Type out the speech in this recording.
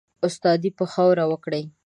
استادي به خاوري وکړې